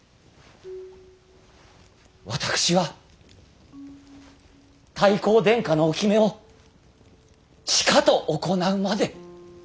私は太閤殿下の置目をしかと行うまで。